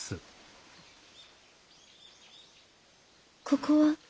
ここは？